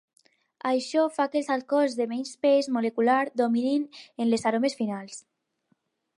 Això fa que els alcohols de menys pes molecular dominin en les aromes finals.